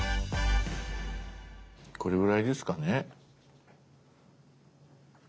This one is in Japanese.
これぐらいですかね。